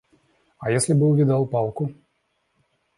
А если бы увидал палку?